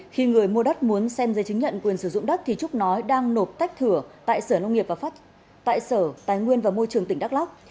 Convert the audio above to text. khi người mua đất muốn xem dây chứng nhận quyền sử dụng đất thì trúc nói đang nộp tách thửa tại sở nông nghiệp và tại sở tài nguyên và môi trường tỉnh đắk lắc